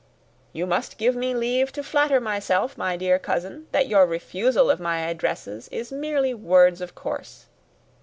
"You must give me leave to flatter myself, my dear cousin, that your refusal of my addresses are merely words of course.